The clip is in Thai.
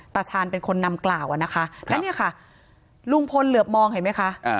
ตาชาญเป็นคนนำกล่าวอะนะคะแล้วเนี่ยค่ะลุงพลเหลือบมองเห็นไหมคะ